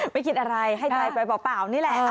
ไม่คิดอะไรให้ใจไปเปล่านี่แหละ